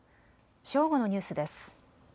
正午のニュースです。